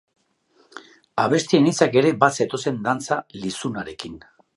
Abestien hitzak ere bat zetozen dantza lizunarekin.